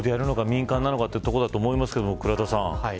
民間なのかというところですが、倉田さん